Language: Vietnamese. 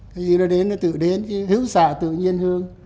thì nó đến nó tự đến hữu xạ tự nhiên hương